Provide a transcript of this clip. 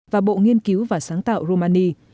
và bộ nghiên cứu và sáng tạo rumania